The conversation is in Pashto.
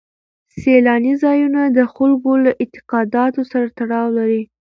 سیلاني ځایونه د خلکو له اعتقاداتو سره تړاو لري.